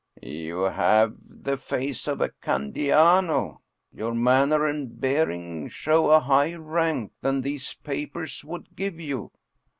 "You have the face of a Candiano; your manner and bearing show a higher rank than these papers would give you."